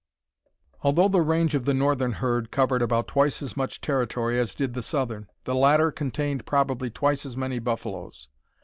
Although the range of the northern herd covered about twice as much territory as did the southern, the latter contained probably twice as many buffaloes.